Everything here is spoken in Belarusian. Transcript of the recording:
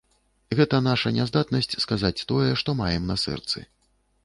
Гэта наша няздатнасць сказаць тое, што маем на сэрцы.